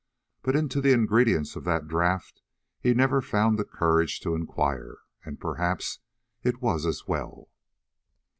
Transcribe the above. But into the ingredients of the draught he never found the courage to inquire, and perhaps it was as well.